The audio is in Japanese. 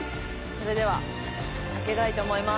それでは開けたいと思います